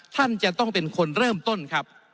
ท่านจะต้องเป็นคนเริ่มต้นครับ